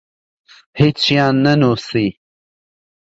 هیچیان نەنووسی.